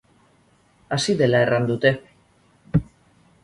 Hasi dela erran dute.